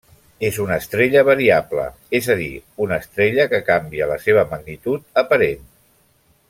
És una estrella variable, és a dir, una estrella que canvia la seva magnitud aparent.